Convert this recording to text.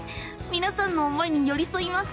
みなさんの思いによりそいます！